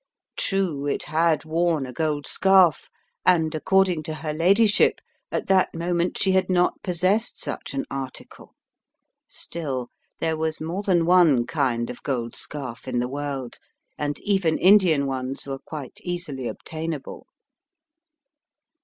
True, it had worn a gold scarf and, according to her ladyship, at that moment she had not possessed such an article. Still, there was more than one kind of gold scarf in the world, and even Indian ones were quite easily obtain* able.